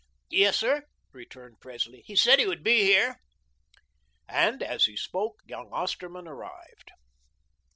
"Yes, sir," returned Presley. "He said he would be here." And as he spoke, young Osterman arrived.